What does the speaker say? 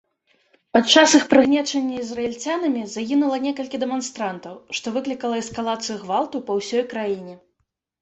Падчас іх прыгнечання ізраільцянамі загінула некалькі дэманстрантаў, што выклікала эскалацыю гвалту па ўсёй краіне.